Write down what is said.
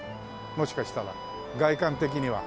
もしかしたら外観的には。